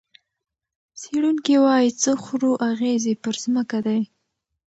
څېړونکي وايي، څه خورو، اغېز یې پر ځمکه دی.